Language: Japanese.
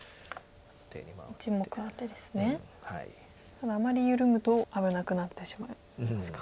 ただあまり緩むと危なくなってしまうんですか。